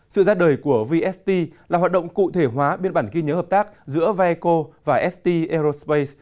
sự ra đời của vst là hoạt động cụ thể hóa biên bản ghi nhớ hợp tác giữa vaeco và st aerospace